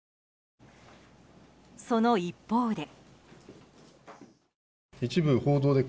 その一方で。